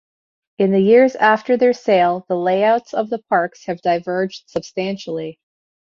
In the years after their sale, the layouts of the parks have diverged substantially.